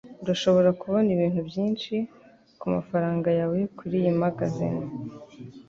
Urashobora kubona ibintu byinshi kumafaranga yawe kuriyi mangazini.